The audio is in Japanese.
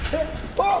あっ！